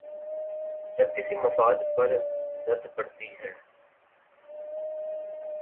جب کسی مفاد پر زد پڑتی ہے۔